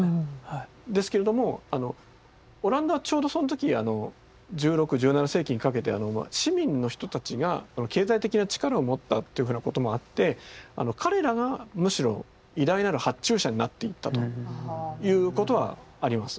ですけれどもオランダはちょうどその時１６１７世紀にかけて市民の人たちが経済的な力を持ったというふうなこともあって彼らがむしろ偉大なる発注者になっていったということはあります。